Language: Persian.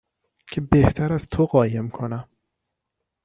که بهتر از تو قایم کنم